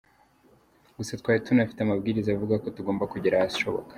Gusa twari tunafite amabwiriza avuga ko tugomba kugera ahashoboka”.